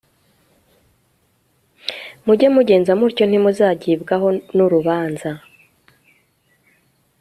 Mujye mugenza mutyo ntimuzagibwaho nurubanza